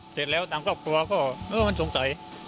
เสร็จแล้วทางครอบครัวก็เออมันสงสัย